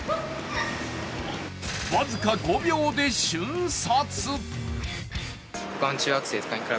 僅か５秒で瞬殺。